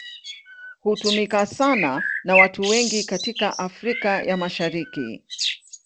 Hutumika sana na watu wengi katika Afrika ya Mashariki.